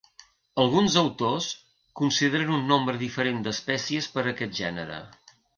Alguns autors consideren un nombre diferent d'espècies per a aquest gènere.